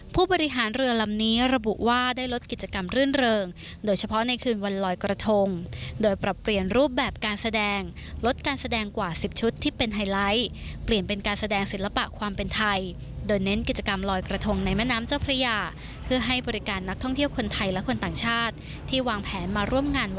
ผู้บริหารเรือลำนี้ระบุว่าได้ลดกิจกรรมรื่นเริงโดยเฉพาะในคืนวันลอยกระทงโดยปรับเปลี่ยนรูปแบบการแสดงลดการแสดงกว่า๑๐ชุดที่เป็นไฮไลท์เปลี่ยนเป็นการแสดงศิลปะความเป็นไทยโดยเน้นกิจกรรมลอยกระทงในแม่น้ำเจ้าพระยาเพื่อให้บริการนักท่องเที่ยวคนไทยและคนต่างชาติที่วางแผนมาร่วมงาน